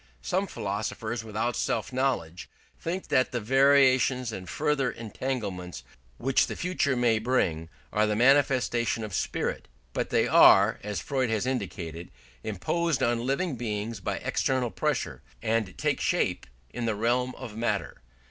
Some philosophers without self knowledge think that the variations and further entanglements which the future may bring are the manifestation of spirit; but they are, as Freud has indicated, imposed on living beings by external pressure, and take shape in the realm of matter.